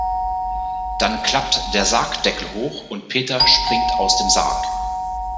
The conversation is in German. Dann klappt der Sargdeckel hoch und Peter springt aus dem Sarg.